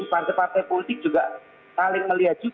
partai partai politik juga saling melihat juga